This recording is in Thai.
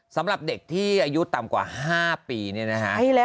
สำหรับเด็กที่อายุต่ำกว่า๕ปีเนี่ยนะฮะ